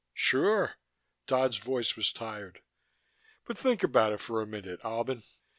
"Sure." Dodd's voice was tired. "But think about it for a minute, Albin.